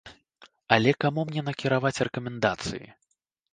Але каму мне накіраваць рэкамендацыі?